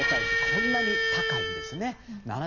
こんなに高いんですね。